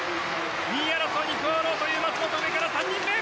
２位争いに加わろうという松元上から３人目。